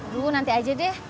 aduh nanti aja deh